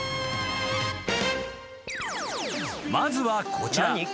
［まずはこちら］